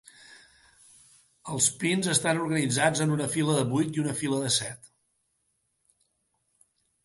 Els pins estan organitzats en una fila de vuit i una fila de set.